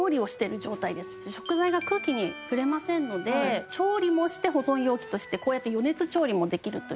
食材が空気に触れませんので調理もして保存容器としてこうやって余熱調理もできるという。